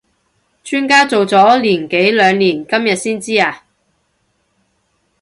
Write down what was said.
磚家做咗年幾兩年今日先知呀？